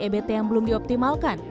ebt yang belum dioptimalkan